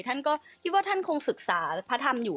ท่านก็คิดว่าท่านคงศึกษาพระธรรมอยู่